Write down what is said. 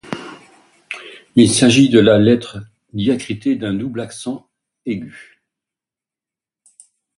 Il s’agit de la lettre Ɨ diacritée d’un double accent aigu.